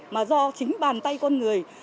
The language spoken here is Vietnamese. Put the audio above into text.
mà do chính bàn tay con người